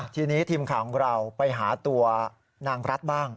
ทีนี้ทีมข่าวของเราไปหาตัวนางรัฐบ้าง